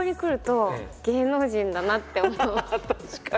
確かに。